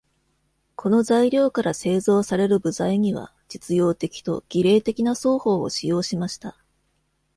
この材料から製造される部材には、実用的と儀礼的な双方を使用しました。